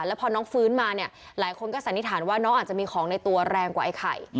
แล้วพอน้องฟื้นมาเนี่ยหลายคนก็สันนิษฐานว่าน้องอาจจะมีของในตัวแรงกว่าไอ้ไข่